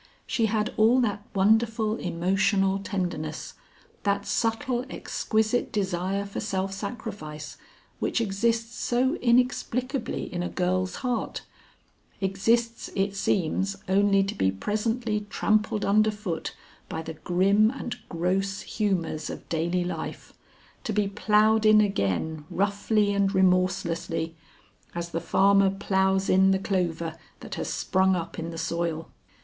She had all that wonderful emotional tenderness, that subtle exquisite desire for self sacrifice, which exists so inexplicably in a girl's heart, exists it seems only to be presently trampled under foot by the grim and gross humours of daily life, to be ploughed in again roughly and remorselessly, as the farmer ploughs in the clover that has sprung up in the soil.